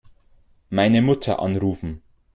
Meine Mutter anrufen.